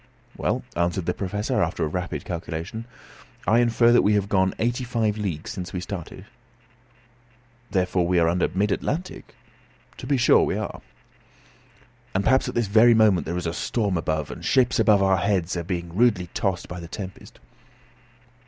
"Well," answered the Professor, after a rapid calculation, "I infer that we have gone eighty five leagues since we started." "Therefore we are under mid Atlantic?" "To be sure we are." "And perhaps at this very moment there is a storm above, and ships over our heads are being rudely tossed by the tempest."